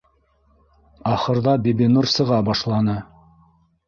Ахырҙа Бибинур сыға башланы